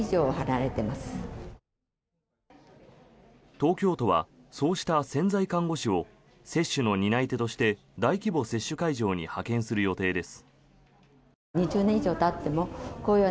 東京都はそうした潜在看護師を接種の担い手として大規模接種会場に派遣する予定です。